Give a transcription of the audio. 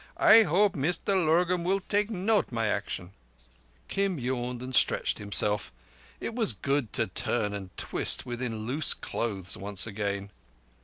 I hope Mr Lurgan will note my action." Kim yawned and stretched himself. It was good to turn and twist within loose clothes once again.